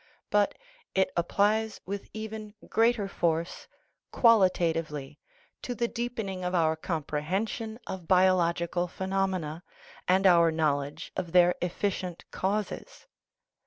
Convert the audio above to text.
But it applies with even greater force qualitatively to the deepening of our comprehension of biological phenom ena, and our knowledge of their efficient causes.